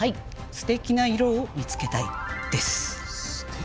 「すてきな色を見つけたい」です。